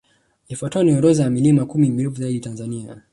Ifuatayo ni orodha ya milima kumi mirefu zaidi Tanzania